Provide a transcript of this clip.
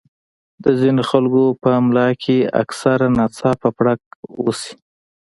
د ځينې خلکو پۀ ملا کښې اکثر ناڅاپه پړق اوشي